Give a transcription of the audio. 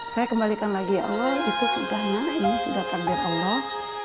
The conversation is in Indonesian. saya kembalikan lagi ya allah itu sudah ini sudah takdir allah